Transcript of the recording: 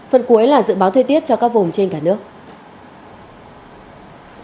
phần cuối là dự báo thời tiết cho các vùng trên cả nước